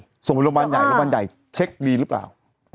ส่งโรงพยาบาลใหญ่โรงพยาบาลใหญ่เช็คดีหรือเปล่า